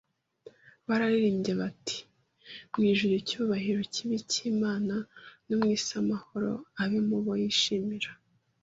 Bararirimbye bati: “Mu ijuru icyubahoro kibe icy’Imana no mu isi amahoro abe mu bo yishimira